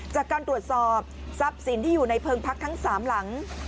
จากการตรวจสอบทรัพย์สินที่อยู่ในเพลิงพักทั้ง๓หลัง